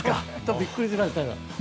びっくりしました。